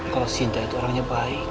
kalau sinta itu orangnya baik